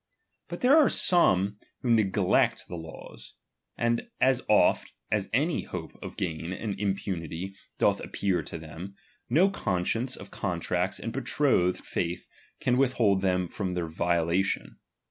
But tljere are some who neglect the laws ; and as oft as any hope of gain and impunity doth appear to tliemj no conscience of contracts and betrothed faith can withhold them from their violation.